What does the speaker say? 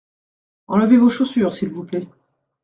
Enlevez vos chaussures s’il vous plait.